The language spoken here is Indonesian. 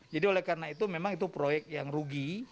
jadi oleh karena itu memang itu proyek yang rugi